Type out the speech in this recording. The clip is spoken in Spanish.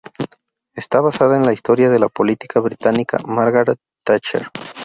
Está basada en la historia de la política británica Margaret Thatcher.